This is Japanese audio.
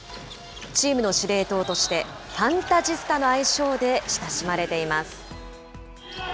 チームの司令塔として、ファンタジスタの愛称で親しまれています。